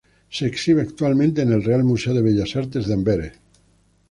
Se exhibe actualmente en el Real Museo de Bellas Artes de Amberes.